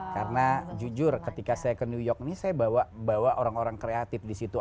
karena jujur ketika saya ke new york ini saya bawa orang orang kreatif di situ